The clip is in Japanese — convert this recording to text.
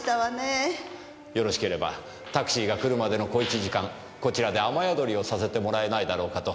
よろしければタクシーが来るまでの小１時間こちらで雨宿りをさせてもらえないだろうかと。